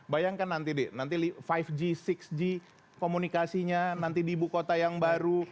bayangkan nanti deh nanti lima g enam g komunikasinya nanti di ibu kota yang baru